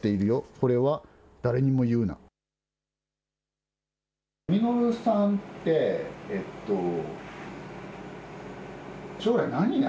これは誰にも言うな。